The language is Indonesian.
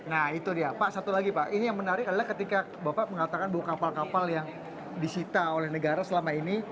nah itu dia pak satu lagi pak ini yang menarik adalah ketika bapak mengatakan bahwa kapal kapal yang disita oleh negara selama ini